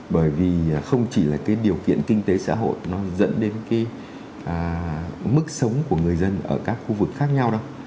bởi vì không chỉ là cái điều kiện kinh tế xã hội nó dẫn đến cái mức sống của người dân ở các khu vực khác nhau đâu